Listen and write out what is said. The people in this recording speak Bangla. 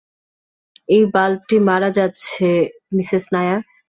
এই বাল্বটি মারা যাচ্ছে, মিসেস নায়ার।